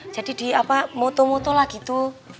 jadi di apa moto moto lah gitu